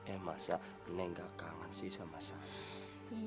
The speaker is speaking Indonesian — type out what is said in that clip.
eh masa nenek gak kangen sih sama sani